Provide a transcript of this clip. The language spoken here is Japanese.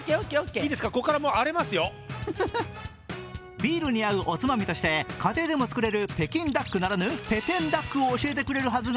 ビールに合うおつまみとして家庭でも作れる北京ダックならぬペテンダックを教えてくれるはずが